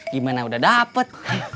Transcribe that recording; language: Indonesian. gimana udah dapet